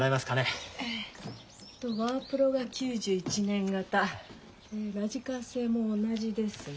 えっとワープロが９１年型ラジカセも同じですね。